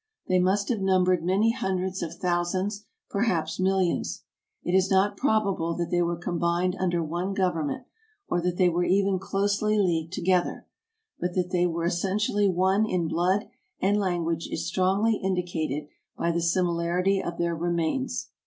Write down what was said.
They must have numbered many hundreds of thousands, perhaps millions. It is not probable that they were combined under one government, or that they were even closely leagued together, but that they were essen tially one in blood and language is strongly indicated by the similarity of their remains.